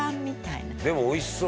「でも美味しそう。